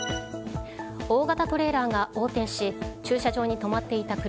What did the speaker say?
大型トレーラーが横転し駐車場に止まっていた車